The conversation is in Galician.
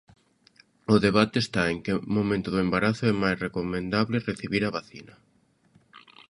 O debate está en que momento do embarazo é máis recomendable recibir a vacina.